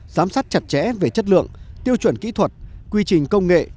giám sát chặt chẽ về chất lượng tiêu chuẩn kỹ thuật quy trình công nghệ